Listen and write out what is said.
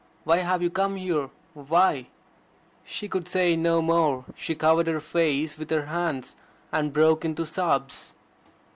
Why have you come here? Why " She could say no more. She covered her face with her hands, and broke into sobs.